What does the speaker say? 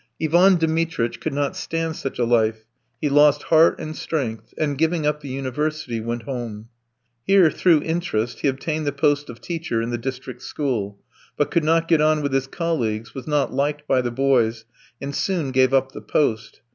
Ivan Dmitritch could not stand such a life; he lost heart and strength, and, giving up the university, went home. Here, through interest, he obtained the post of teacher in the district school, but could not get on with his colleagues, was not liked by the boys, and soon gave up the post.